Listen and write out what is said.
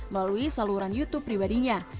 melalui saluran youtube pribadinya